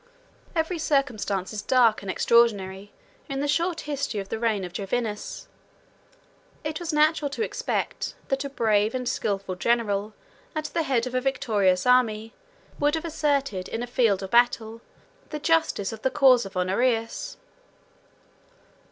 Every circumstance is dark and extraordinary in the short history of the reign of Jovinus. It was natural to expect, that a brave and skilful general, at the head of a victorious army, would have asserted, in a field of battle, the justice of the cause of Honorius.